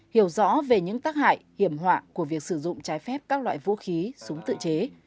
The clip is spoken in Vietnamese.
hiểu rõ về những tác hại hiểm họa của việc sử dụng trái phép các loại vũ khí súng tự chế